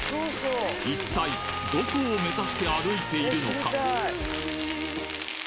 一体どこを目指して歩いているのか？